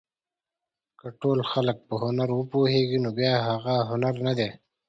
که ټول خلک په هنر وپوهېږي نو بیا هغه هنر نه دی.